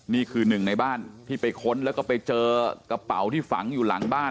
นี่คือหนึ่งในบ้านที่ไปค้นแล้วก็ไปเจอกระเป๋าที่ฝังอยู่หลังบ้าน